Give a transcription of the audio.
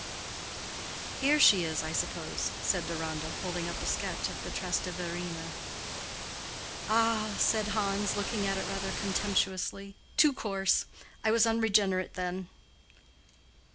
"Here she is, I suppose," said Deronda, holding up a sketch of the Trasteverina. "Ah," said Hans, looking at it rather contemptuously, "too coarse. I was unregenerate then."